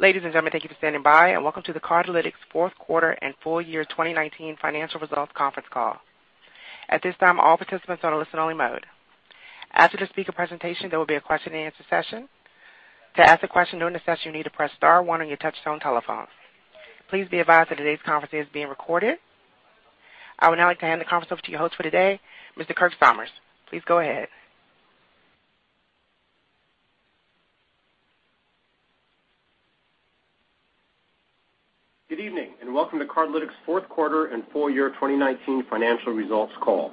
Ladies and gentlemen, thank you for standing by, and welcome to the Cardlytics fourth quarter and full year 2019 financial results conference call. At this time, all participants are on a listen only mode. After the speaker presentation, there will be a question and answer session. To ask a question during the session, you need to press star one on your touchtone telephone. Please be advised that today's conference is being recorded. I would now like to hand the conference over to your host for today, Mr. Kirk Somers. Please go ahead. Good evening, and welcome to Cardlytics' fourth quarter and full year 2019 financial results call.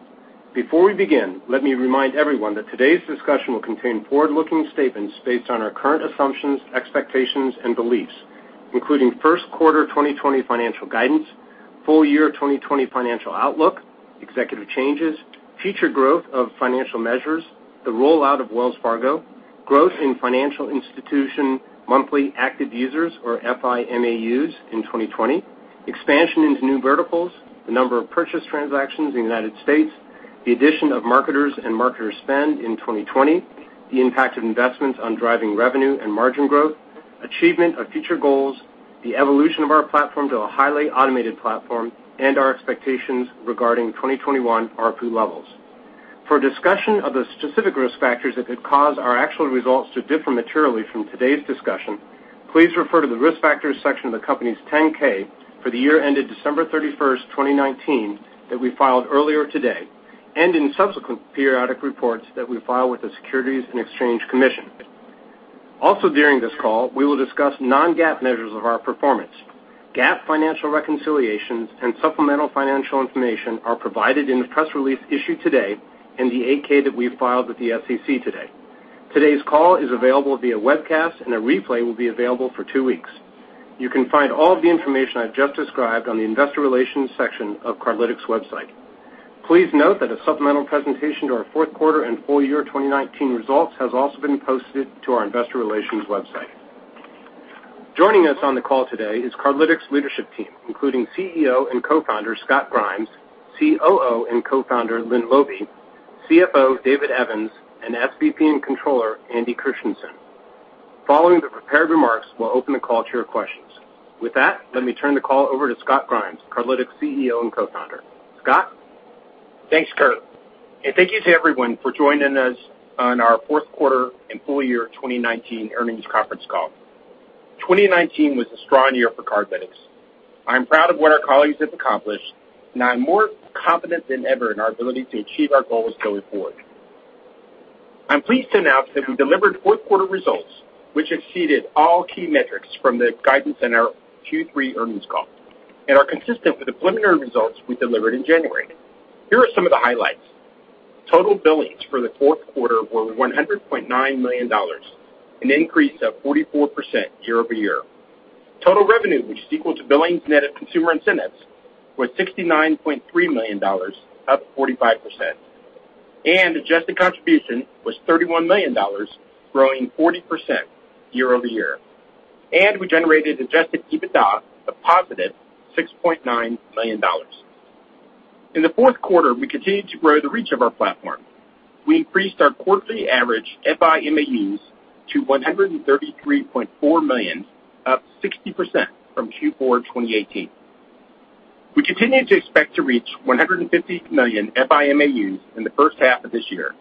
Before we begin, let me remind everyone that today's discussion will contain forward-looking statements based on our current assumptions, expectations, and beliefs, including first quarter 2020 financial guidance, full year 2020 financial outlook, executive changes, future growth of financial measures, the rollout of Wells Fargo, growth in financial institution monthly active users, or FI MAUs, in 2020, expansion into new verticals, the number of purchase transactions in the United States, the addition of marketers and marketer spend in 2020, the impact of investments on driving revenue and margin growth, achievement of future goals, the evolution of our platform to a highly automated platform, and our expectations regarding 2021 RPU levels. For a discussion of the specific risk factors that could cause our actual results to differ materially from today's discussion, please refer to the Risk Factors section of the company's 10-K for the year ended December 31st, 2019, that we filed earlier today, and in subsequent periodic reports that we file with the Securities and Exchange Commission. Also during this call, we will discuss non-GAAP measures of our performance. GAAP financial reconciliations and supplemental financial information are provided in the press release issued today and the 8-K that we filed with the SEC today. Today's call is available via webcast, and a replay will be available for two weeks. You can find all the information I've just described on the investor relations section of Cardlytics website. Please note that a supplemental presentation to our fourth quarter and full year 2019 results has also been posted to our investor relations website. Joining us on the call today is Cardlytics' leadership team, including CEO and co-founder, Scott Grimes, COO and co-founder, Lynne Laube, CFO, David Evans, and SVP and Controller, Andy Christiansen. Following the prepared remarks, we'll open the call to your questions. With that, let me turn the call over to Scott Grimes, Cardlytics CEO and co-founder. Scott? Thanks, Kirk. Thank you to everyone for joining us on our fourth quarter and full year 2019 earnings conference call. 2019 was a strong year for Cardlytics. I'm proud of what our colleagues have accomplished, I'm more confident than ever in our ability to achieve our goals going forward. I'm pleased to announce that we delivered fourth quarter results, which exceeded all key metrics from the guidance in our Q3 earnings call and are consistent with the preliminary results we delivered in January. Here are some of the highlights. Total billings for the fourth quarter were $100.9 million, an increase of 44% year-over-year. Total revenue, which is equal to billings net of consumer incentives, was $69.3 million, up 45%. Adjusted contribution was $31 million, growing 40% year-over-year. We generated adjusted EBITDA of positive $6.9 million. In the fourth quarter, we continued to grow the reach of our platform. We increased our quarterly average FI MAUs to $133.4 million, up 60% from Q4 2018. We continue to expect to reach $150 million FI MAUs in the first half of this year.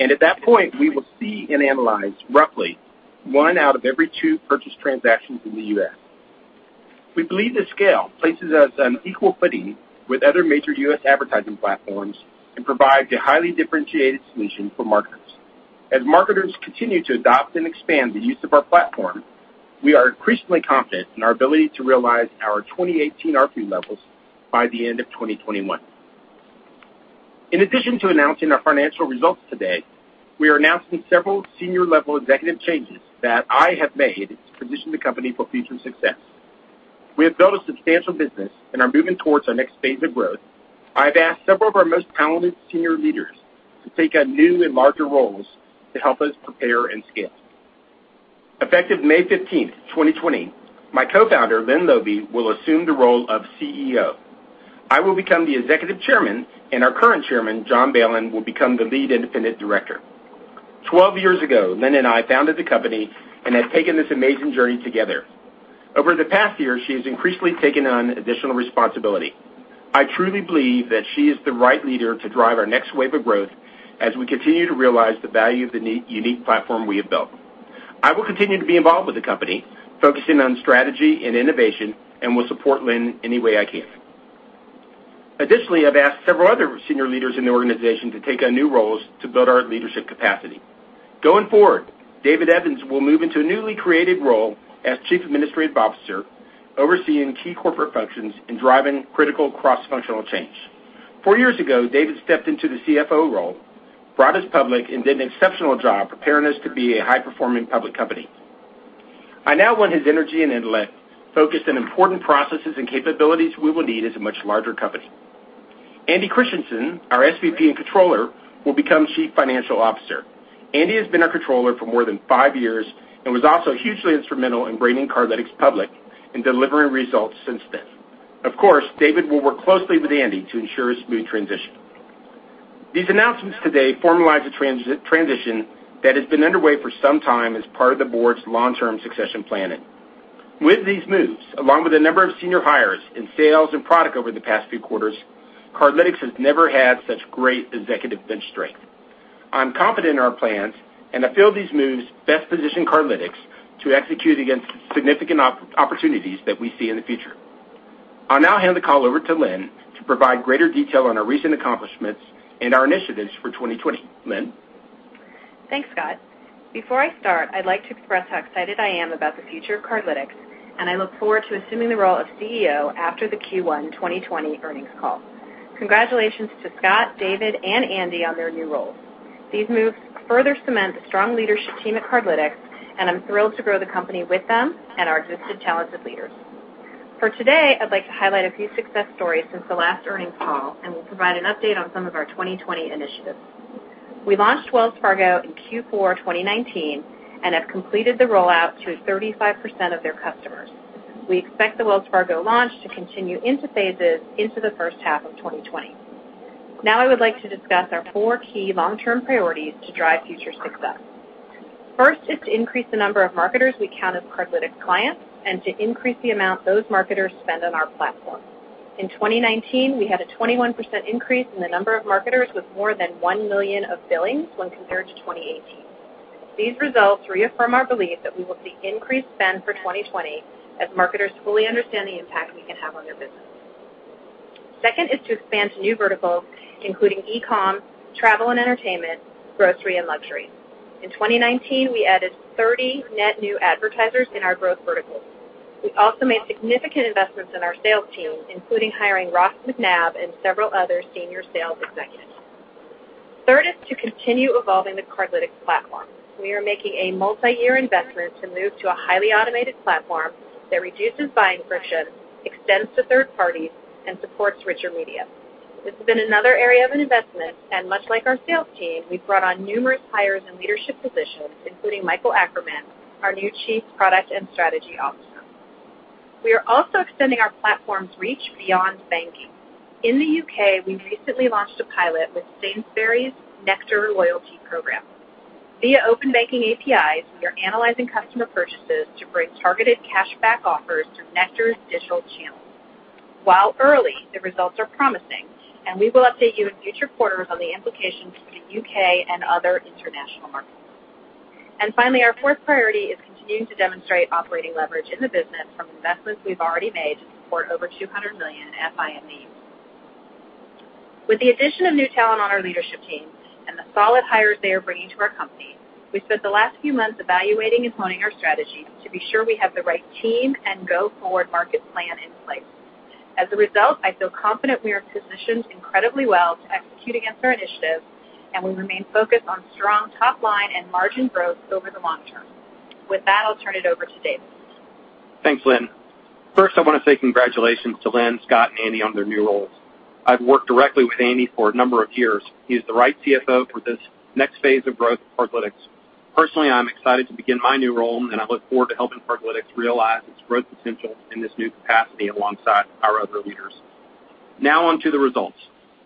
At that point, we will see and analyze roughly one out of every two purchase transactions in the U.S. We believe this scale places us on equal footing with other major U.S. advertising platforms and provides a highly differentiated solution for marketers. As marketers continue to adopt and expand the use of our platform, we are increasingly confident in our ability to realize our 2018 RPU levels by the end of 2021. In addition to announcing our financial results today, we are announcing several senior level executive changes that I have made to position the company for future success. We have built a substantial business and are moving towards our next phase of growth. I've asked several of our most talented senior leaders to take on new and larger roles to help us prepare and scale. Effective May 15th, 2020, my co-founder, Lynne Laube, will assume the role of CEO. I will become the Executive Chairman, and our current Chairman, John Balen, will become the Lead Independent Director. 12 years ago, Lynne and I founded the company and have taken this amazing journey together. Over the past year, she has increasingly taken on additional responsibility. I truly believe that she is the right leader to drive our next wave of growth as we continue to realize the value of the unique platform we have built. I will continue to be involved with the company, focusing on strategy and innovation, and will support Lynne any way I can. Additionally, I've asked several other senior leaders in the organization to take on new roles to build our leadership capacity. Going forward, David Evans will move into a newly created role as Chief Administrative Officer, overseeing key corporate functions and driving critical cross-functional change. Four years ago, David stepped into the CFO role, brought us public, and did an exceptional job preparing us to be a high-performing public company. I now want his energy and intellect focused on important processes and capabilities we will need as a much larger company. Andy Christiansen, our SVP and Controller, will become Chief Financial Officer. Andy has been our Controller for more than five years and was also hugely instrumental in bringing Cardlytics public and delivering results since then. Of course, David will work closely with Andy to ensure a smooth transition. These announcements today formalize a transition that has been underway for some time as part of the board's long-term succession planning. With these moves, along with a number of senior hires in sales and product over the past few quarters, Cardlytics has never had such great executive bench strength. I'm confident in our plans, and I feel these moves best position Cardlytics to execute against significant opportunities that we see in the future. I'll now hand the call over to Lynne to provide greater detail on our recent accomplishments and our initiatives for 2020. Lynne? Thanks, Scott. Before I start, I'd like to express how excited I am about the future of Cardlytics, and I look forward to assuming the role of CEO after the Q1 2020 earnings call. Congratulations to Scott, David, and Andy on their new roles. These moves further cement the strong leadership team at Cardlytics, and I'm thrilled to grow the company with them and our existing talented leaders. For today, I'd like to highlight a few success stories since the last earnings call and will provide an update on some of our 2020 initiatives. We launched Wells Fargo in Q4 2019 and have completed the rollout to 35% of their customers. We expect the Wells Fargo launch to continue into phases into the first half of 2020. I would like to discuss our four key long-term priorities to drive future success. First is to increase the number of marketers we count as Cardlytics clients and to increase the amount those marketers spend on our platform. In 2019, we had a 21% increase in the number of marketers with more than $1 million of billings when compared to 2018. These results reaffirm our belief that we will see increased spend for 2020 as marketers fully understand the impact we can have on their business. Second is to expand to new verticals, including e-com, travel and entertainment, grocery, and luxury. In 2019, we added 30 net new advertisers in our growth verticals. We also made significant investments in our sales team, including hiring Ross McNab and several other senior sales executives. Third is to continue evolving the Cardlytics platform. We are making a multiyear investment to move to a highly automated platform that reduces buying friction, extends to third parties, and supports richer media. This has been another area of an investment. Much like our sales team, we've brought on numerous hires in leadership positions, including Michael Akkerman, our new Chief Product and Strategy Officer. We are also extending our platform's reach beyond banking. In the U.K., we recently launched a pilot with Sainsbury's Nectar loyalty program. Via open banking APIs, we are analyzing customer purchases to bring targeted cashback offers through Nectar's digital channels. While early, the results are promising. We will update you in future quarters on the implications in U.K. and other international markets. Finally, our fourth priority is continuing to demonstrate operating leverage in the business from investments we've already made to support over $200 million in FI MAUs. With the addition of new talent on our leadership team and the solid hires they are bringing to our company, we spent the last few months evaluating and honing our strategies to be sure we have the right team and go-forward market plan in place. As a result, I feel confident we are positioned incredibly well to execute against our initiatives, and we remain focused on strong top-line and margin growth over the long term. With that, I'll turn it over to David. Thanks, Lynne. First, I want to say congratulations to Lynne, Scott, and Andy on their new roles. I've worked directly with Andy for a number of years. He is the right CFO for this next phase of growth for Cardlytics. Personally, I'm excited to begin my new role, and I look forward to helping Cardlytics realize its growth potential in this new capacity alongside our other leaders. Now on to the results.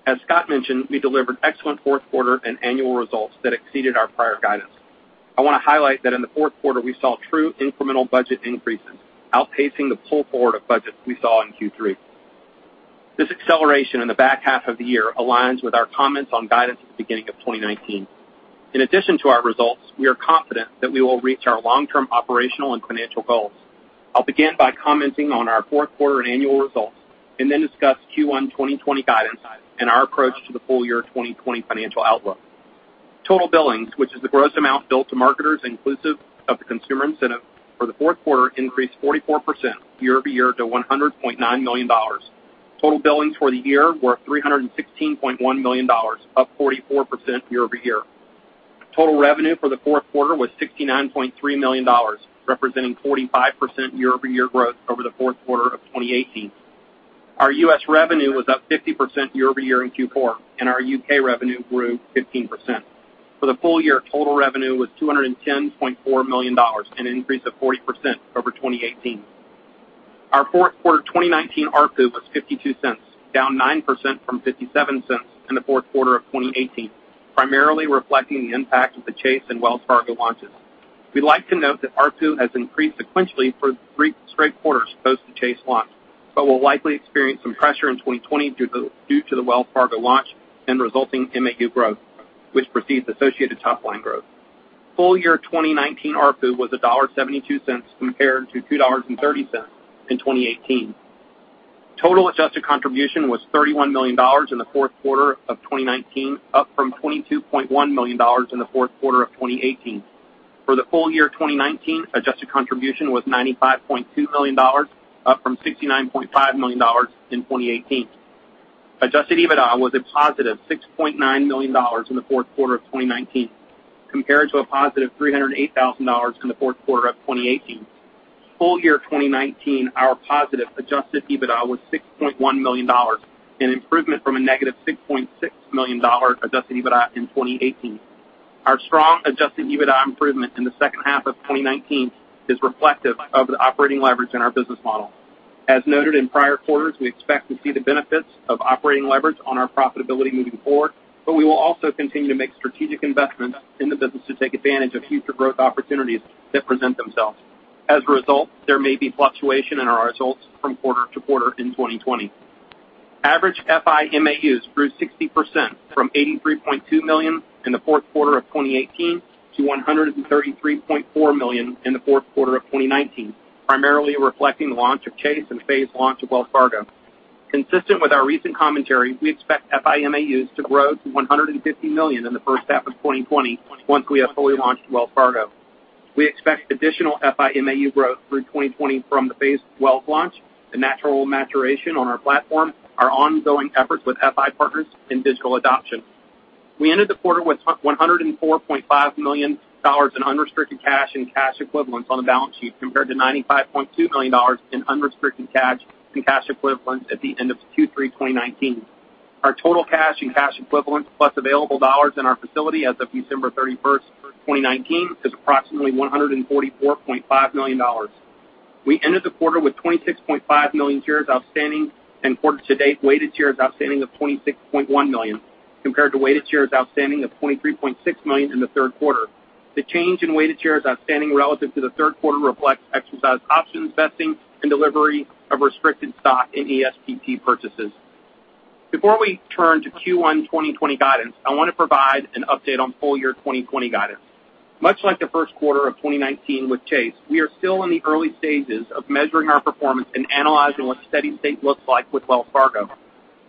As Scott mentioned, we delivered excellent fourth quarter and annual results that exceeded our prior guidance. I want to highlight that in the fourth quarter, we saw true incremental budget increases, outpacing the pull forward of budgets we saw in Q3. This acceleration in the back half of the year aligns with our comments on guidance at the beginning of 2019. In addition to our results, we are confident that we will reach our long-term operational and financial goals. I'll begin by commenting on our fourth quarter and annual results and then discuss Q1 2020 guidance and our approach to the full year 2020 financial outlook. Total billings, which is the gross amount billed to marketers inclusive of the consumer incentive, for the fourth quarter increased 44% year-over-year to $100.9 million. Total billings for the year were $316.1 million, up 44% year-over-year. Total revenue for the fourth quarter was $69.3 million, representing 45% year-over-year growth over the fourth quarter of 2018. Our U.S. revenue was up 50% year-over-year in Q4, and our U.K. revenue grew 15%. For the full year, total revenue was $210.4 million, an increase of 40% over 2018. Our fourth quarter 2019 ARPU was $0.52, down 9% from $0.57 in the fourth quarter of 2018, primarily reflecting the impact of the Chase and Wells Fargo launches. We'd like to note that ARPU has increased sequentially for three straight quarters post the Chase launch but will likely experience some pressure in 2020 due to the Wells Fargo launch and resulting MAU growth, which precedes associated top-line growth. Full year 2019 ARPU was $1.72 compared to $2.30 in 2018. Total adjusted contribution was $31 million in the fourth quarter of 2019, up from $22.1 million in the fourth quarter of 2018. For the full year 2019, adjusted contribution was $95.2 million, up from $69.5 million in 2018. Adjusted EBITDA was a positive $6.9 million in the fourth quarter of 2019, compared to a positive $308,000 in the fourth quarter of 2018. Full year 2019, our positive adjusted EBITDA was $6.1 million, an improvement from a negative $6.6 million adjusted EBITDA in 2018. Our strong adjusted EBITDA improvement in the second half of 2019 is reflective of the operating leverage in our business model. As noted in prior quarters, we expect to see the benefits of operating leverage on our profitability moving forward, but we will also continue to make strategic investments in the business to take advantage of future growth opportunities that present themselves. As a result, there may be fluctuation in our results from quarter to quarter in 2020. Average FI MAUs grew 60%, from 83.2 million in the fourth quarter of 2018 to 133.4 million in the fourth quarter of 2019, primarily reflecting the launch of Chase and phased launch of Wells Fargo. Consistent with our recent commentary, we expect FI MAUs to grow to 150 million in the first half of 2020 once we have fully launched Wells Fargo. We expect additional FI MAU growth through 2020 from the phased Wells launch, the natural maturation on our platform, our ongoing efforts with FI partners in digital adoption. We ended the quarter with $104.5 million in unrestricted cash and cash equivalents on the balance sheet, compared to $95.2 million in unrestricted cash and cash equivalents at the end of Q3 2019. Our total cash and cash equivalents, plus available dollars in our facility as of December 31, 2019, is approximately $144.5 million. We ended the quarter with 26.5 million shares outstanding and quarter to date weighted shares outstanding of 26.1 million, compared to weighted shares outstanding of 23.6 million in the third quarter. The change in weighted shares outstanding relative to the third quarter reflects exercised options vesting and delivery of restricted stock in ESPP purchases. Before we turn to Q1 2020 guidance, I want to provide an update on full year 2020 guidance. Much like the first quarter of 2019 with Chase, we are still in the early stages of measuring our performance and analyzing what steady state looks like with Wells Fargo.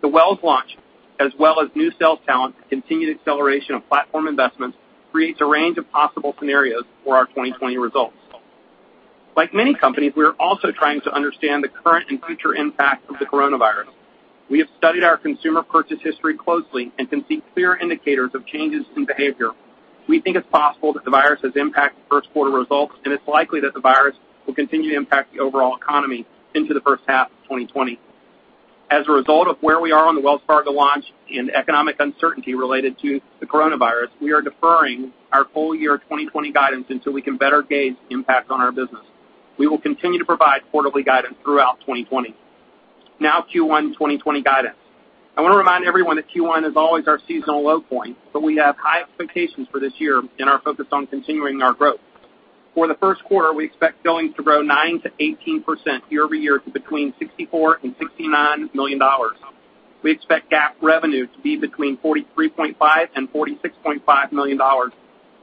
The Wells launch, as well as new sales talent and continued acceleration of platform investments, creates a range of possible scenarios for our 2020 results. Like many companies, we are also trying to understand the current and future impact of the coronavirus. We have studied our consumer purchase history closely and can see clear indicators of changes in behavior. We think it's possible that the virus has impacted first quarter results, and it's likely that the virus will continue to impact the overall economy into the first half of 2020. As a result of where we are on the Wells Fargo launch and the economic uncertainty related to the coronavirus, we are deferring our full year 2020 guidance until we can better gauge the impact on our business. We will continue to provide quarterly guidance throughout 2020. Q1 2020 guidance. I want to remind everyone that Q1 is always our seasonal low point, but we have high expectations for this year and are focused on continuing our growth. For the first quarter, we expect billings to grow 9%-18% year-over-year to $64 million-$69 million. We expect GAAP revenue to be between $43.5 million and $46.5 million,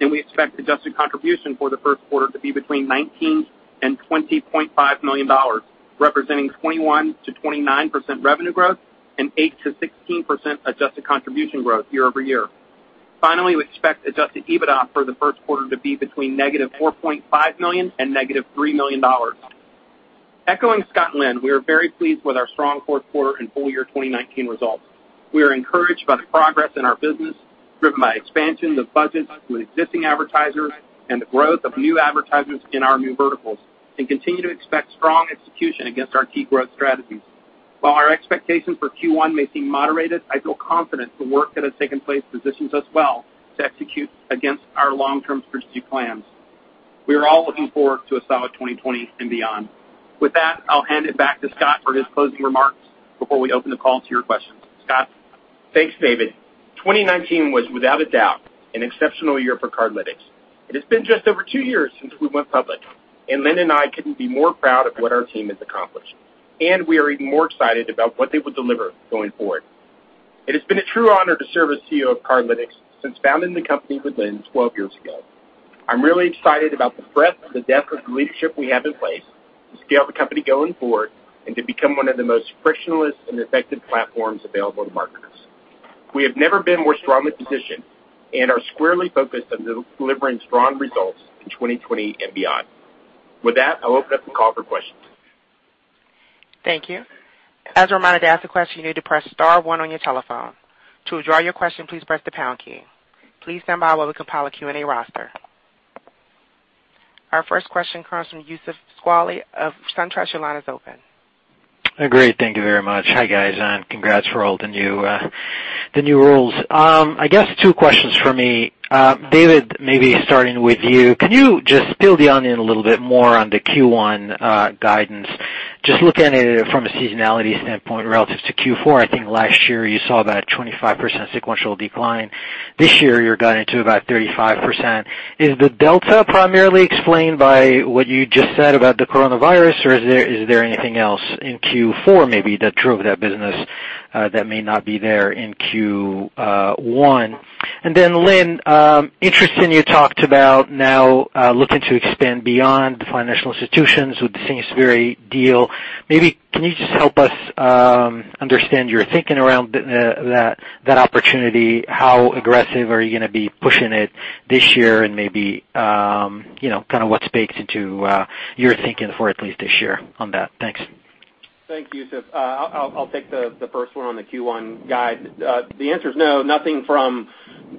and we expect adjusted contribution for the first quarter to be between $19 million and $20.5 million, representing 21%-29% revenue growth and 8%-16% adjusted contribution growth year-over-year. We expect adjusted EBITDA for the first quarter to be between negative $4.5 million and negative $3 million. Echoing Scott and Lynne, we are very pleased with our strong fourth quarter and full year 2019 results. We are encouraged by the progress in our business, driven by expansion of budgets with existing advertisers and the growth of new advertisements in our new verticals, and continue to expect strong execution against our key growth strategies. While our expectations for Q1 may seem moderated, I feel confident the work that has taken place positions us well to execute against our long-term strategic plans. We are all looking forward to a solid 2020 and beyond. With that, I'll hand it back to Scott for his closing remarks before we open the call to your questions. Scott? Thanks, David. 2019 was without a doubt an exceptional year for Cardlytics. It has been just over two years since we went public, and Lynn and I couldn't be more proud of what our team has accomplished, and we are even more excited about what they will deliver going forward. It has been a true honor to serve as CEO of Cardlytics since founding the company with Lynne 12 years ago. I'm really excited about the breadth and the depth of leadership we have in place to scale the company going forward and to become one of the most frictionless and effective platforms available to marketers. We have never been more strongly positioned and are squarely focused on delivering strong results in 2020 and beyond. With that, I'll open up the call for questions. Thank you. As a reminder, to ask a question, you need to press star one on your telephone. To withdraw your question, please press the pound key. Please stand by while we compile a Q&A roster. Our first question comes from Youssef Squali of SunTrust. Your line is open. Great. Thank you very much. Hi, guys, and congrats for all the new roles. I guess two questions for me. David, maybe starting with you, can you just spill the onion a little bit more on the Q1 guidance? Just looking at it from a seasonality standpoint relative to Q4, I think last year you saw that 25% sequential decline. This year, you're guiding to about 35%. Is the delta primarily explained by what you just said about the coronavirus, or is there anything else in Q4 maybe that drove that business that may not be there in Q1? Then Lynne, interesting you talked about now looking to expand beyond the financial institutions with the Sainsbury's deal. Maybe can you just help us understand your thinking around that opportunity? How aggressive are you going to be pushing it this year and maybe what speaks into your thinking for at least this year on that? Thanks. Thanks, Youssef. I'll take the first one on the Q1 guide. The answer is no, nothing from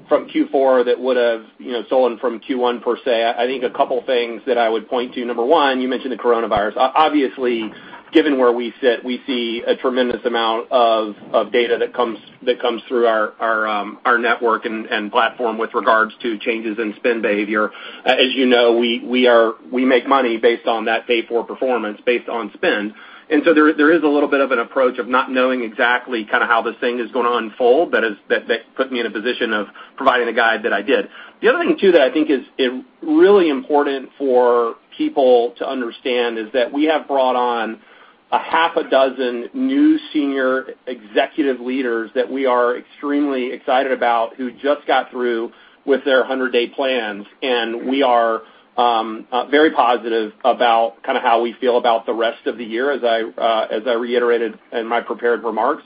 Q4 that would have stolen from Q1, per se. I think a couple things that I would point to. Number one, you mentioned the coronavirus. Obviously, given where we sit, we see a tremendous amount of data that comes through our network and platform with regards to changes in spend behavior. As you know, we make money based on that pay-for-performance based on spend. There is a little bit of an approach of not knowing exactly how this thing is going to unfold. That put me in a position of providing the guide that I did. The other thing, too, that I think is really important for people to understand is that we have brought on a half a dozen new senior executive leaders that we are extremely excited about, who just got through with their 100-day plans. We are very positive about how we feel about the rest of the year, as I reiterated in my prepared remarks.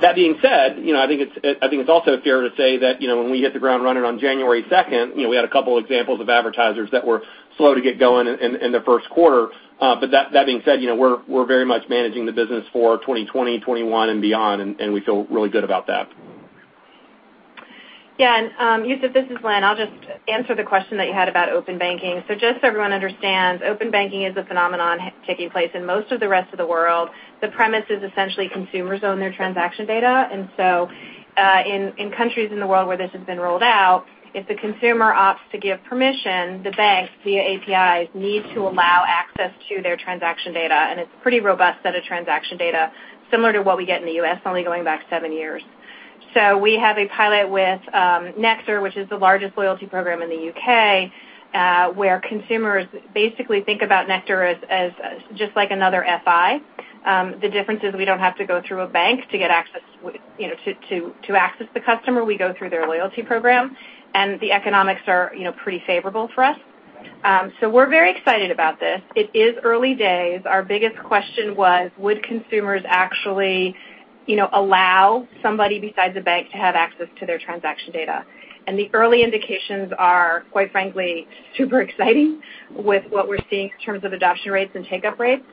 That being said, I think it's also fair to say that when we hit the ground running on January 2nd, we had a couple examples of advertisers that were slow to get going in the first quarter. That being said, we're very much managing the business for 2020, 2021, and beyond, and we feel really good about that. Youssef, this is Lynne. I'll just answer the question that you had about open banking. Just so everyone understands, open banking is a phenomenon taking place in most of the rest of the world. The premise is essentially consumers own their transaction data. In countries in the world where this has been rolled out, if the consumer opts to give permission, the banks, via APIs, need to allow access to their transaction data, and it's a pretty robust set of transaction data, similar to what we get in the U.S., only going back seven years. We have a pilot with Nectar, which is the largest loyalty program in the U.K., where consumers basically think about Nectar as just like another FI. The difference is we don't have to go through a bank to access the customer. We go through their loyalty program, and the economics are pretty favorable for us. We're very excited about this. It is early days. Our biggest question was, would consumers actually allow somebody besides a bank to have access to their transaction data? The early indications are, quite frankly, super exciting with what we're seeing in terms of adoption rates and take-up rates.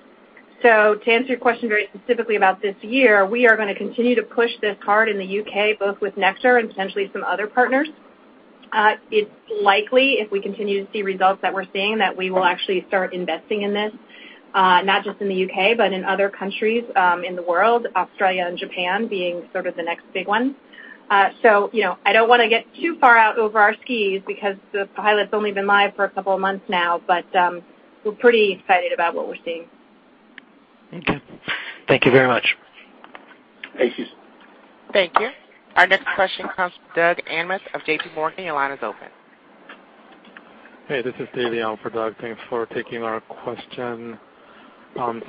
To answer your question very specifically about this year, we are going to continue to push this hard in the U.K., both with Nectar and potentially some other partners. It's likely, if we continue to see results that we're seeing, that we will actually start investing in this, not just in the U.K., but in other countries in the world, Australia and Japan being sort of the next big ones. I don't want to get too far out over our skis because the pilot's only been live for a couple of months now, but we're pretty excited about what we're seeing. Okay. Thank you very much. Thank you. Thank you. Our next question comes from Doug Anmuth of JPMorgan. Your line is open. Hey, this is Dae Lee on for Doug. Thanks for taking our question.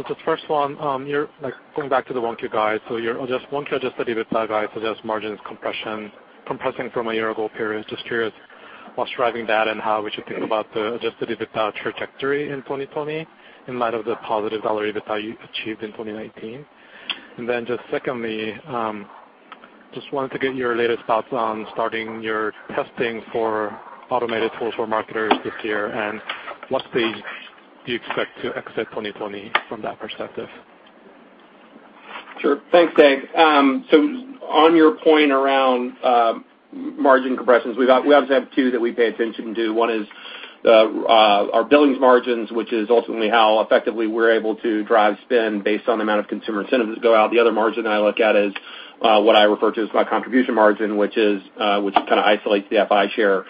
Just first one, going back to the 1Q guide. Your 1Q adjusted EBITDA guide suggests margin is compressing from a year-ago period. Just curious what's driving that and how we should think about the adjusted EBITDA trajectory in 2020 in light of the positive EBITDA you achieved in 2019. Just secondly, just wanted to get your latest thoughts on starting your testing for automated tools for marketers this year, and what pace do you expect to exit 2020 from that perspective? Sure. Thanks, Dae. On your point around margin compressions, we obviously have two that we pay attention to. One is our billings margins, which is ultimately how effectively we're able to drive spend based on the amount of consumer incentives that go out. The other margin that I look at is what I refer to as my contribution margin, which kind of isolates the FI share.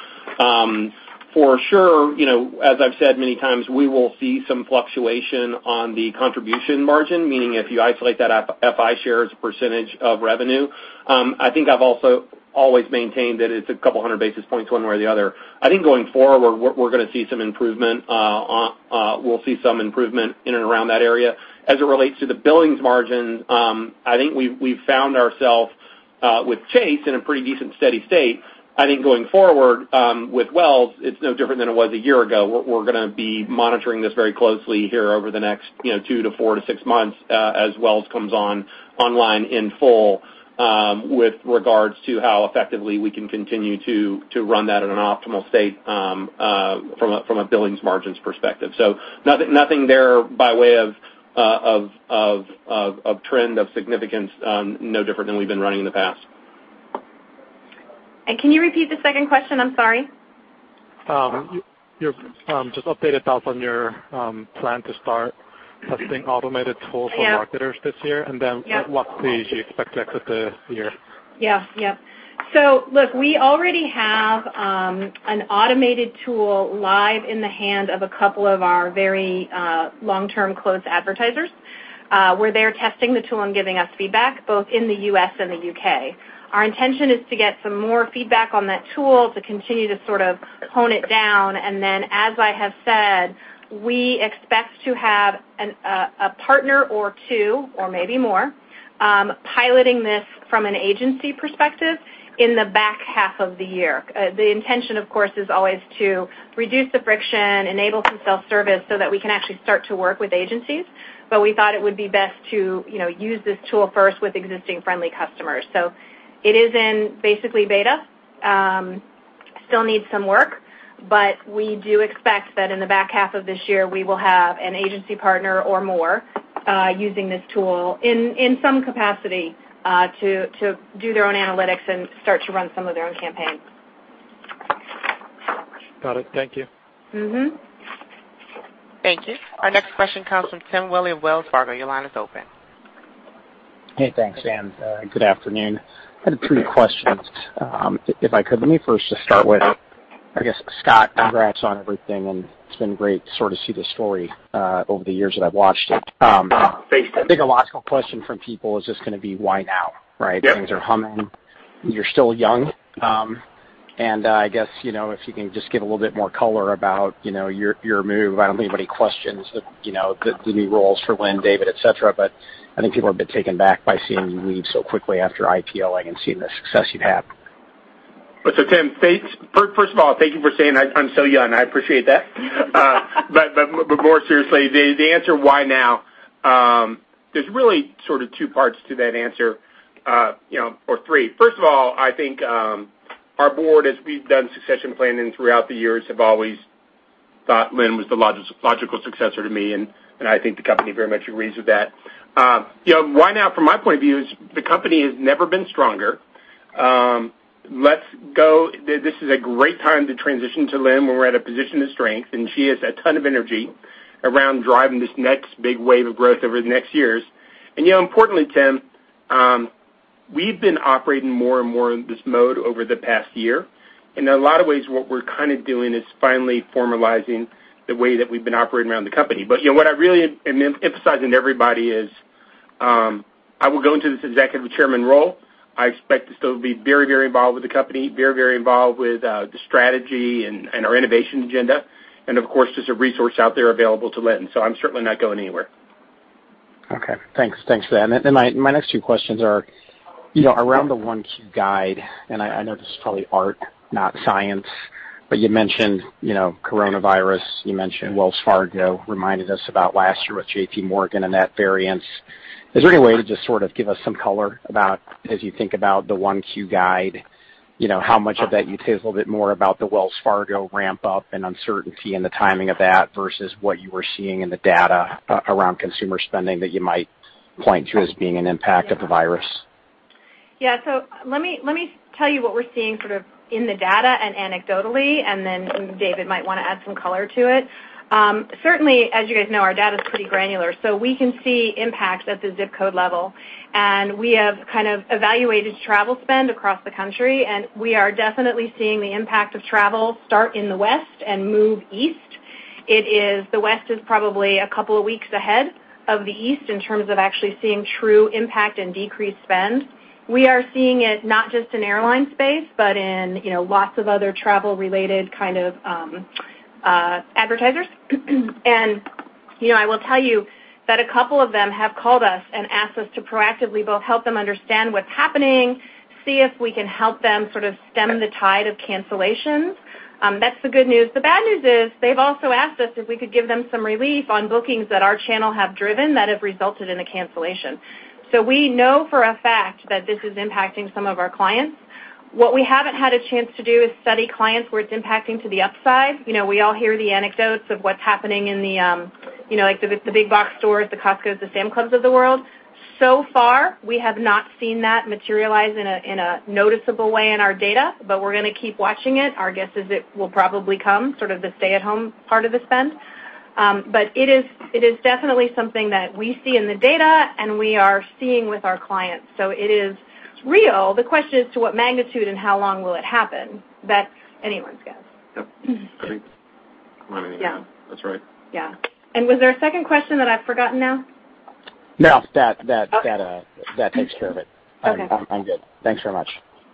For sure, as I've said many times, we will see some fluctuation on the contribution margin, meaning if you isolate that FI share as a percentage of revenue. I think I've also always maintained that it's a couple hundred basis points one way or the other. I think going forward, we're going to see some improvement. We'll see some improvement in and around that area. As it relates to the billings margin, I think we've found ourselves with Chase in a pretty decent, steady state. I think going forward with Wells, it's no different than it was a year ago. We're going to be monitoring this very closely here over the next two to four to six months as Wells comes online in full with regards to how effectively we can continue to run that at an optimal state from a billings margins perspective. Nothing there by way of trend of significance, no different than we've been running in the past. Can you repeat the second question? I'm sorry. Your just updated thoughts on your plan to start testing automated tools for marketers this year? Yeah. What pace you expect to exit the year. Yeah. Look, we already have an automated tool live in the hand of a couple of our very long-term close advertisers, where they're testing the tool and giving us feedback, both in the U.S. and the U.K. Our intention is to get some more feedback on that tool to continue to sort of hone it down. Then, as I have said, we expect to have a partner or two, or maybe more, piloting this from an agency perspective in the back half of the year. The intention, of course, is always to reduce the friction, enable some self-service so that we can actually start to work with agencies. We thought it would be best to use this tool first with existing friendly customers. It is in basically beta. Still needs some work, but we do expect that in the back half of this year, we will have an agency partner or more, using this tool in some capacity to do their own analytics and start to run some of their own campaigns. Got it. Thank you. Thank you. Our next question comes from Tim Willi of Wells Fargo. Your line is open. Hey, thanks. Good afternoon. I had two questions, if I could. Let me first just start with, I guess, Scott, congrats on everything, and it's been great to sort of see the story, over the years that I've watched it. Thanks, Tim. I think a logical question from people is just gonna be, why now, right? Yeah. Things are humming. You're still young. I guess, if you can just give a little bit more color about your move. I don't have any questions, the new roles for Lynne, David, etc, but I think people have been taken back by seeing you leave so quickly after IPO and seeing the success you've had. Tim, first of all, thank you for saying I'm still young. I appreciate that. More seriously, the answer why now, there's really sort of two parts to that answer, or three. First of all, I think, our board, as we've done succession planning throughout the years, have always thought Lynne was the logical successor to me, and I think the company very much agrees with that. Why now from my point of view is the company has never been stronger. This is a great time to transition to Lynne, when we're at a position of strength, and she has a ton of energy around driving this next big wave of growth over the next years. Importantly, Tim, we've been operating more and more in this mode over the past year. In a lot of ways, what we're kind of doing is finally formalizing the way that we've been operating around the company. What I really am emphasizing to everybody is, I will go into this Executive Chairman role. I expect to still be very involved with the company, very involved with the strategy and our innovation agenda and, of course, just a resource out there available to Lynne. I'm certainly not going anywhere. Okay. Thanks for that. My next two questions are around the 1Q guide, and I know this is probably art, not science, but you mentioned coronavirus. You mentioned Wells Fargo, reminded us about last year with JPMorgan and that variance. Is there any way to just sort of give us some color about, as you think about the 1Q guide, how much of that you take a little bit more about the Wells Fargo ramp-up and uncertainty and the timing of that versus what you were seeing in the data around consumer spending that you might point to as being an impact of the virus? Yeah. Let me tell you what we're seeing sort of in the data and anecdotally, and then David might want to add some color to it. Certainly, as you guys know, our data's pretty granular, so we can see impacts at the ZIP code level, and we have kind of evaluated travel spend across the country, and we are definitely seeing the impact of travel start in the West and move East. The West is probably a couple of weeks ahead of the East in terms of actually seeing true impact and decreased spend. We are seeing it not just in airline space, but in lots of other travel-related kind of advertisers. I will tell you that a couple of them have called us and asked us to proactively both help them understand what's happening, see if we can help them sort of stem the tide of cancellations. That's the good news. The bad news is they've also asked us if we could give them some relief on bookings that our channel have driven that have resulted in a cancellation. We know for a fact that this is impacting some of our clients. What we haven't had a chance to do is study clients where it's impacting to the upside. We all hear the anecdotes of what's happening in the big box stores, the Costco, the Sam's Club of the world. Far, we have not seen that materialize in a noticeable way in our data, but we're gonna keep watching it. Our guess is it will probably come, sort of the stay-at-home part of the spend. It is definitely something that we see in the data, and we are seeing with our clients. It is real. The question is to what magnitude and how long will it happen? That's anyone's guess. Yep. I think, come on in. Yeah. That's right. Yeah. Was there a second question that I've forgotten now? No. Okay. That takes care of it. Okay. I'm good. Thanks very much.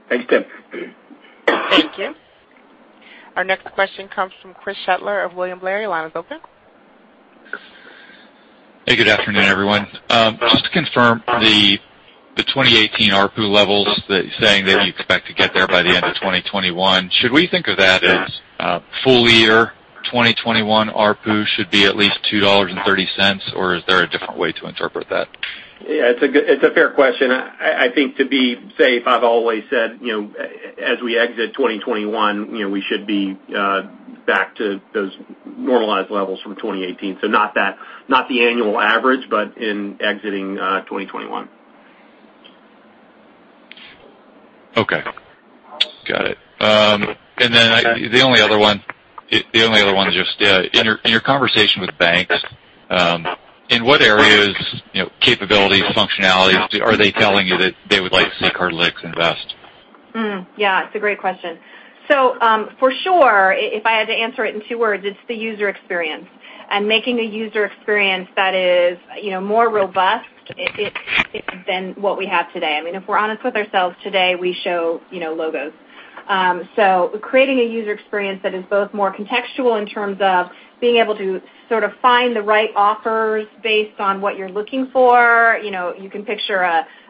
Thanks, Tim. Thank you. Our next question comes from Chris Shutler of William Blair. Your line is open. Hey, good afternoon, everyone. Just to confirm the 2018 ARPU levels, saying that you expect to get there by the end of 2021, should we think of that as full year 2021 ARPU should be at least $2.30, or is there a different way to interpret that? Yeah, it's a fair question. I think to be safe, I've always said, as we exit 2021, we should be back to those normalized levels from 2018. Not the annual average, but in exiting 2021. Okay. Got it. The only other one is just, in your conversation with banks, in what areas, capabilities, functionalities are they telling you that they would like to see Cardlytics invest? Yeah, it's a great question. For sure, if I had to answer it in two words, it's the user experience and making a user experience that is more robust than what we have today. If we're honest with ourselves today, we show logos. Creating a user experience that is both more contextual in terms of being able to sort of find the right offers based on what you're looking for. You can picture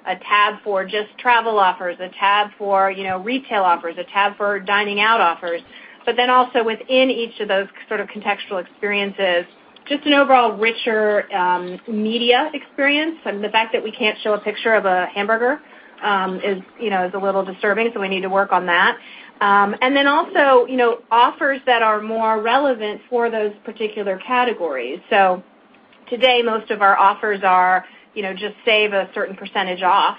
a tab for just travel offers, a tab for retail offers, a tab for dining out offers. Also within each of those sort of contextual experiences, just an overall richer media experience. The fact that we can't show a picture of a hamburger is a little disturbing, so we need to work on that. Also, offers that are more relevant for those particular categories. Today, most of our offers are just save a certain percentage off.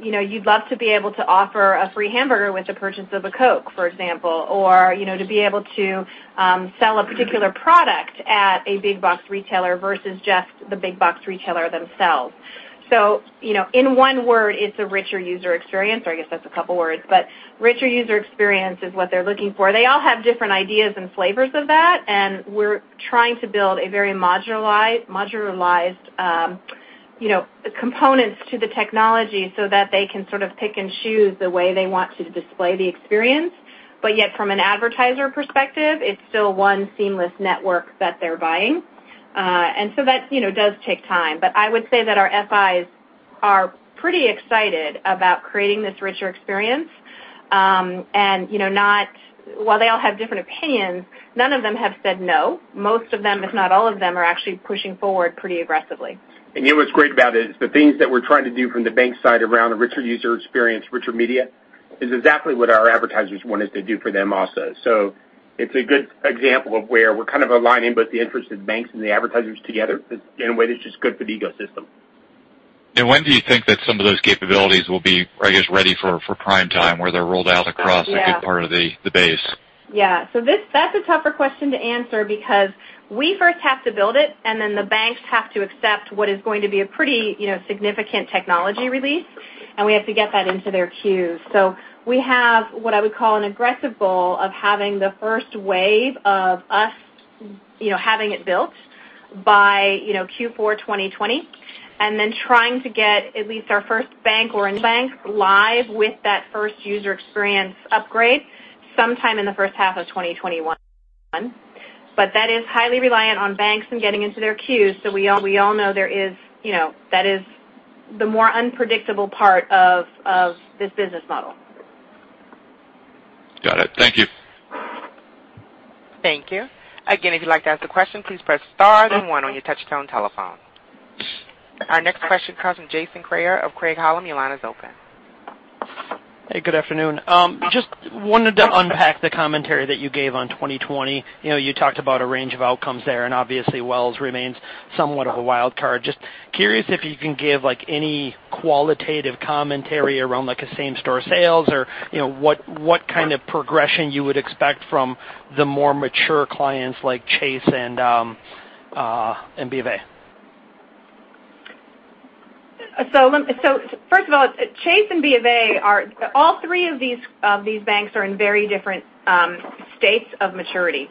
You'd love to be able to offer a free hamburger with the purchase of a Coke, for example, or to be able to sell a particular product at a big box retailer versus just the big box retailer themselves. In one word, it's a richer user experience, or I guess that's a couple words, but richer user experience is what they're looking for. They all have different ideas and flavors of that, and we're trying to build a very modularized components to the technology so that they can sort of pick and choose the way they want to display the experience. Yet from an advertiser perspective, it's still one seamless network that they're buying. That does take time. I would say that our FIs are pretty excited about creating this richer experience. While they all have different opinions, none of them have said no. Most of them, if not all of them, are actually pushing forward pretty aggressively. What's great about it is the things that we're trying to do from the bank side around a richer user experience, richer media, is exactly what our advertisers want us to do for them also. It's a good example of where we're kind of aligning both the interests of the banks and the advertisers together in a way that's just good for the ecosystem. When do you think that some of those capabilities will be, I guess, ready for prime time, where they're rolled out- Yeah a good part of the base? Yeah. That's a tougher question to answer because we first have to build it, and then the banks have to accept what is going to be a pretty significant technology release. And we have to get that into their queues. We have what I would call an aggressive goal of having the first wave of us having it built by Q4 2020, and then trying to get at least our first bank or a new bank live with that first user experience upgrade sometime in the first half of 2021. That is highly reliant on banks and getting into their queues, so we all know that is the more unpredictable part of this business model. Got it. Thank you. Thank you. Again, if you'd like to ask a question, please press star then one on your touch-tone telephone. Our next question comes from Jason Kreyer of Craig-Hallum. Your line is open. Hey, good afternoon. Just wanted to unpack the commentary that you gave on 2020. You talked about a range of outcomes there, obviously Wells remains somewhat of a wild card. Just curious if you can give any qualitative commentary around same-store sales, or what kind of progression you would expect from the more mature clients like Chase and Bank of America. First of all, Chase and Bank of America are-- all three of these banks are in very different states of maturity. Bank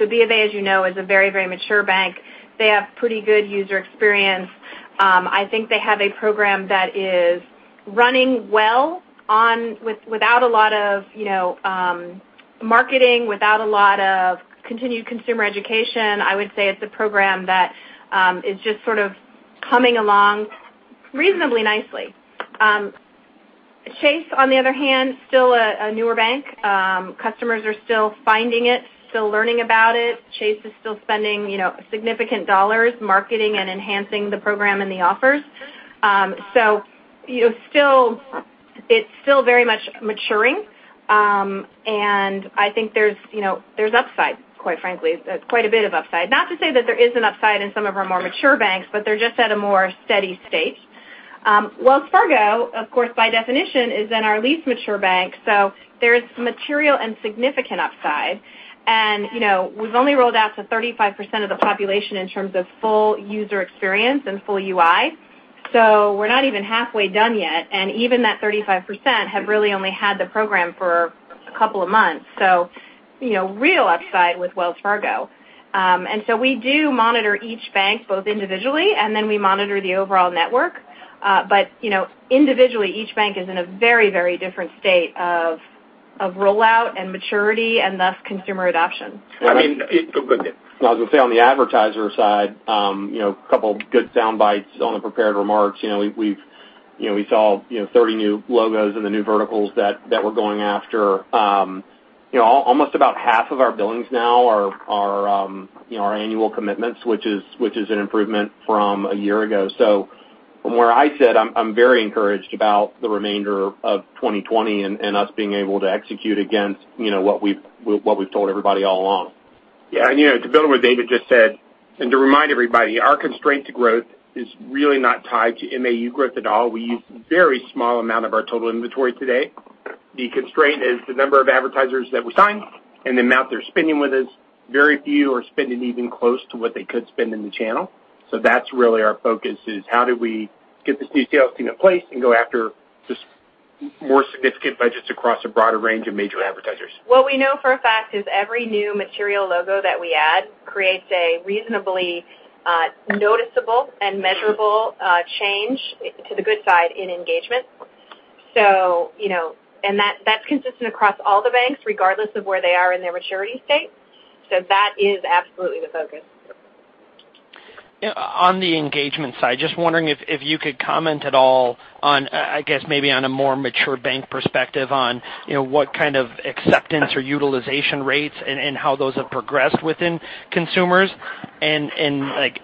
of America, as you know, is a very mature bank. They have pretty good user experience. I think they have a program that is running well without a lot of marketing, without a lot of continued consumer education. I would say it's a program that is just sort of coming along reasonably nicely. Chase, on the other hand, still a newer bank. Customers are still finding it, still learning about it. Chase is still spending significant dollar marketing and enhancing the program and the offers. It's still very much maturing. I think there's upside, quite frankly, quite a bit of upside. Not to say that there isn't upside in some of our more mature banks, but they're just at a more steady state. Wells Fargo, of course, by definition, is then our least mature bank, so there's material and significant upside. We've only rolled out to 35% of the population in terms of full user experience and full UI. We're not even halfway done yet, and even that 35% have really only had the program for a couple of months. Real upside with Wells Fargo. We do monitor each bank, both individually and then we monitor the overall network. Individually, each bank is in a very different state of rollout and maturity and thus consumer adoption. I was going to say, on the advertiser side, a couple good soundbites on the prepared remarks. We saw 30 new logos in the new verticals that we're going after. Almost about half of our billings now are our annual commitments, which is an improvement from a year ago. From where I sit, I'm very encouraged about the remainder of 2020 and us being able to execute against what we've told everybody all along. Yeah, to build on what David just said, and to remind everybody, our constraint to growth is really not tied to MAU growth at all. We use a very small amount of our total inventory today. The constraint is the number of advertisers that we sign and the amount they're spending with us. Very few are spending even close to what they could spend in the channel. That's really our focus, is how do we get this new sales team in place and go after just more significant budgets across a broader range of major advertisers. What we know for a fact is every new material logo that we add creates a reasonably noticeable and measurable change to the good side in engagement. That's consistent across all the banks, regardless of where they are in their maturity state. That is absolutely the focus. On the engagement side, just wondering if you could comment at all on, I guess, maybe on a more mature bank perspective on what kind of acceptance or utilization rates and how those have progressed within consumers. I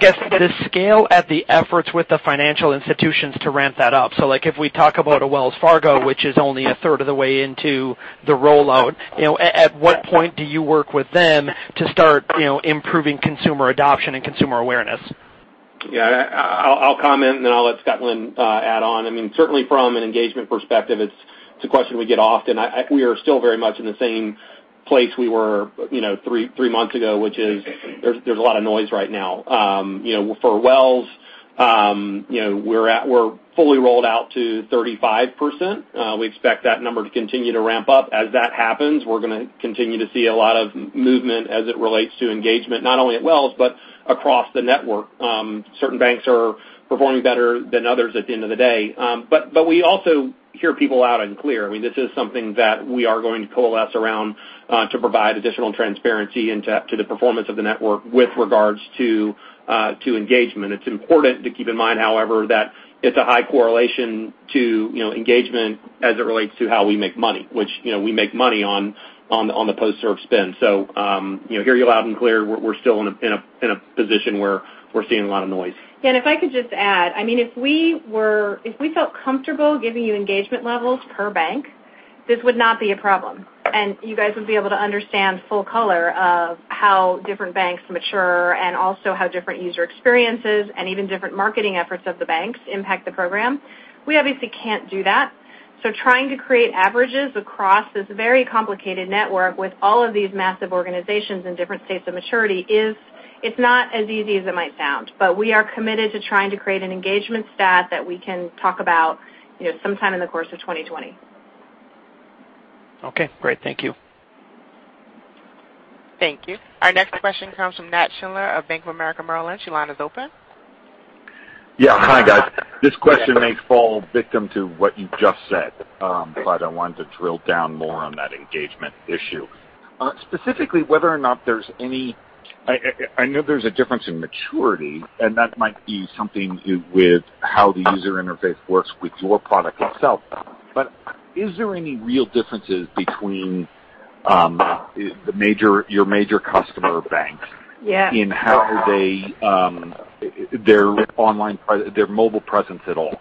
guess, the scale at the efforts with the financial institutions to ramp that up. If we talk about a Wells Fargo, which is only a third of the way into the rollout, at what point do you work with them to start improving consumer adoption and consumer awareness? Yeah. I'll comment, and then I'll let Lynne add on. From an engagement perspective, it's a question we get often. We are still very much in the same place we were three months ago, which is there's a lot of noise right now. For Wells, we're fully rolled out to 35%. We expect that number to continue to ramp up. As that happens, we're going to continue to see a lot of movement as it relates to engagement, not only at Wells but across the network. Certain banks are performing better than others at the end of the day. We also hear people loud and clear. This is something that we are going to coalesce around to provide additional transparency into the performance of the network with regards to engagement. It's important to keep in mind, however, that it's a high correlation to engagement as it relates to how we make money, which we make money on the post-serve spend. Hear you loud and clear. We're still in a position where we're seeing a lot of noise. If I could just add, if we felt comfortable giving you engagement levels per bank, this would not be a problem, and you guys would be able to understand full color of how different banks mature and also how different user experiences and even different marketing efforts of the banks impact the program. We obviously can't do that. Trying to create averages across this very complicated network with all of these massive organizations in different states of maturity is not as easy as it might sound. We are committed to trying to create an engagement stat that we can talk about sometime in the course of 2020. Okay, great. Thank you. Thank you. Our next question comes from Nat Schindler of Bank of America Merrill Lynch. Your line is open. Yeah. Hi, guys. This question may fall victim to what you just said. I wanted to drill down more on that engagement issue. Specifically, I know there's a difference in maturity, and that might be something with how the user interface works with your product itself. Is there any real differences between your major customer banks? Yeah in their mobile presence at all?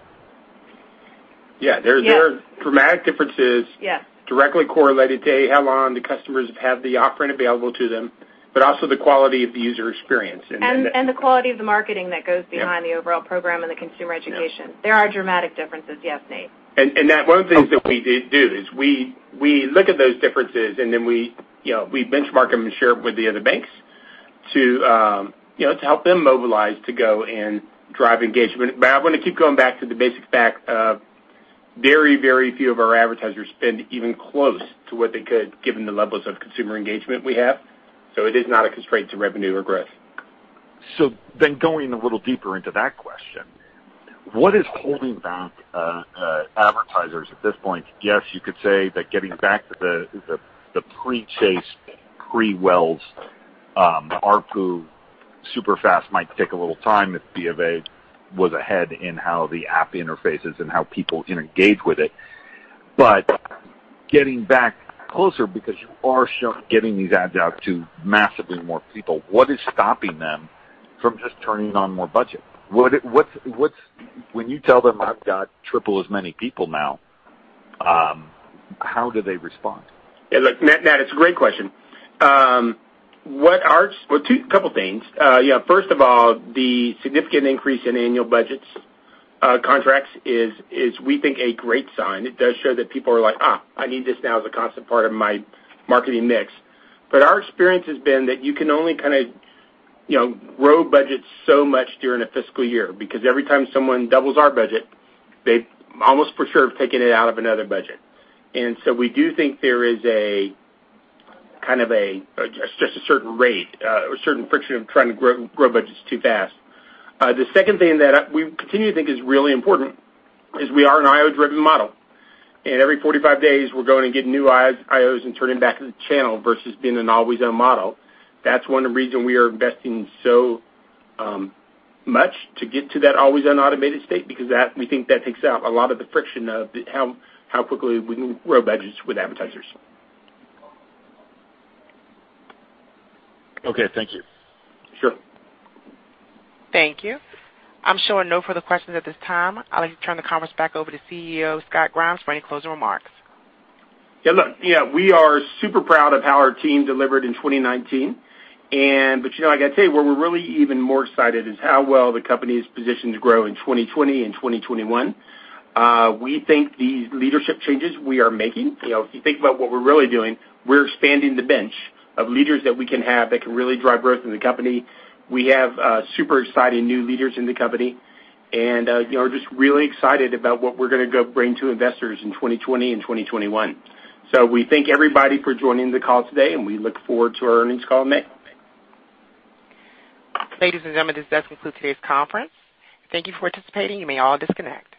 Yeah. Yes. There are dramatic differences. Yes directly correlated to how long the customers have had the offering available to them, but also the quality of the user experience. The quality of the marketing that goes behind the overall program and the consumer education. Yeah. There are dramatic differences, yes, Nat. Nat, one of the things that we do is we look at those differences, and then we benchmark them and share with the other banks to help them mobilize to go and drive engagement. I want to keep going back to the basic fact of very few of our advertisers spend even close to what they could given the levels of consumer engagement we have. It is not a constraint to revenue or growth. Going a little deeper into that question, what is holding back advertisers at this point? Yes, you could say that getting back to the pre-Chase, pre-Wells ARPU super fast might take a little time if Bank of America was ahead in how the app interfaces and how people engage with it. Getting back closer because you are getting these ads out to massively more people, what is stopping them from just turning on more budget? When you tell them, "I've got triple as many people now," how do they respond? Yeah, look, Nat, it's a great question. Well, two couple things. First of all, the significant increase in annual budgets contracts is we think a great sign. It does show that people are like, "Ah, I need this now as a constant part of my marketing mix." Our experience has been that you can only grow budgets so much during a fiscal year because every time someone doubles our budget, they almost for sure have taken it out of another budget. We do think there is just a certain rate, a certain friction of trying to grow budgets too fast. The second thing that we continue to think is really important is we are an IO-driven model, and every 45 days we're going and getting new IOs and turning back into the channel versus being an always-on model. That's one of the reasons we are investing so much to get to that always-on automated state because we think that takes out a lot of the friction of how quickly we can grow budgets with advertisers. Okay. Thank you. Sure. Thank you. I'm showing no further questions at this time. I'd like to turn the conference back over to CEO, Scott Grimes, for any closing remarks. Yeah. Look, we are super proud of how our team delivered in 2019. Like I tell you, where we're really even more excited is how well the company is positioned to grow in 2020 and 2021. We think these leadership changes we are making, if you think about what we're really doing, we're expanding the bench of leaders that we can have that can really drive growth in the company. We have super exciting new leaders in the company, and we're just really excited about what we're going to go bring to investors in 2020 and 2021. We thank everybody for joining the call today, and we look forward to our earnings call in May. Ladies and gentlemen, this does conclude today's conference. Thank you for participating. You may all disconnect.